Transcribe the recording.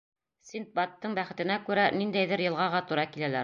Синдбадтың бәхетенә күрә, ниндәйҙер йылғаға тура киләләр.